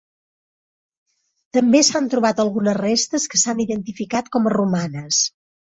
També s'han trobat algunes restes que s'han identificat com a romanes.